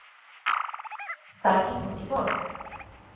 তারা কি ক্ষতিকর?